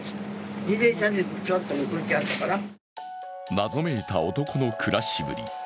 謎めいた男の暮らしぶり。